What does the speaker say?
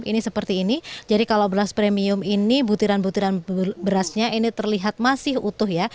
ini seperti ini jadi kalau beras premium ini butiran butiran berasnya ini terlihat masih utuh ya